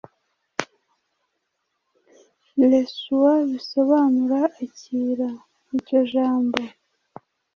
reçois” bisobanuye “akira”, iryo jambo